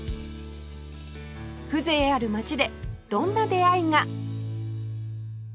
風情ある街でどんな出会いが